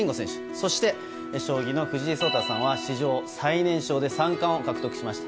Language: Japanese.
そして将棋の藤井聡太さんは史上最年少で三冠を獲得しました。